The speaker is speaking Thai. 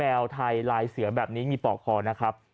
ไทยลายเสือแบบนี้มีปอกคอนะครับ